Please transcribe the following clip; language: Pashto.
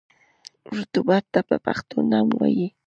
رطوبت ته په پښتو نم وايي.